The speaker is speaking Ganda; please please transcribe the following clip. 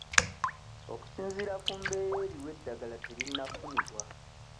Okusinziira ku mbeera eriwo eddagala terinnafunibwa.